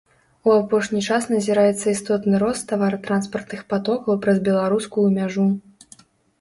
У апошні час назіраецца істотны рост таваратранспартных патокаў праз беларускую мяжу.